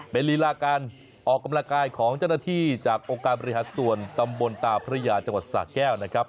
เป็นลีลาการออกกำลังกายของเจ้าหน้าที่จากองค์การบริหารส่วนตำบลตาพระยาจังหวัดสาแก้วนะครับ